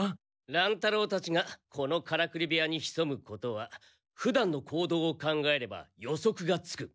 乱太郎たちがこのカラクリ部屋にひそむことはふだんの行動を考えれば予測がつく。